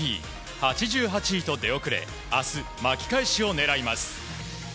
８８位と出遅れ明日、巻き返しを狙います。